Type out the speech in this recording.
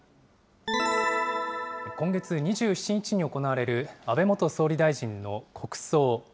今月２７日に行われる安倍元総理大臣の国葬。